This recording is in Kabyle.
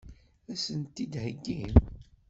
Ad sen-t-id-theggim?